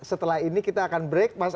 setelah ini kita akan break